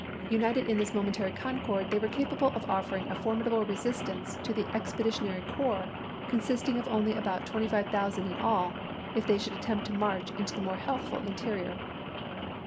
United in this momentary concord they were capa ble of offering a formidable resistance to the ex peditionary corps, consisting of only about 25,000 in all, if they should attempt to march into the more healthful interior.